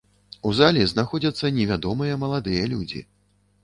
У залі знаходзяцца невядомыя маладыя людзі.